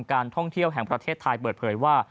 การท่องเที่ยวแห่งประเทศไทย